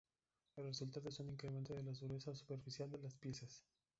El resultado es un incremento de la dureza superficial de las piezas.